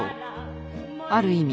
ある意味